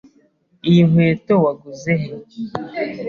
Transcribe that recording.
Iyi nkweto waguze he?